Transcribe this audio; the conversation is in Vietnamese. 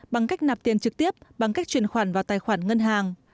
bằng cách nạp tiền trực tiếp bằng cách truyền khoản vào tài khoản ngân hàng